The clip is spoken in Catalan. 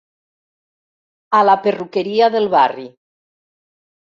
A la perruqueria del barri.